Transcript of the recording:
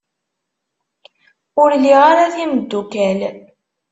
Ur liɣ ara timeddukal.